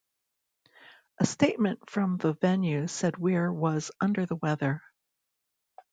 "A statement from the venue said Weir was 'under the weather'".